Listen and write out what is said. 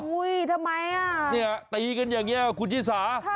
อุ้ยทำไมน่ะนี่ตีกันอย่างแย่ครับคุณชิสา